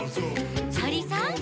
「とりさん！」